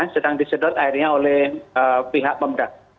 sedang disedot airnya oleh pihak pemda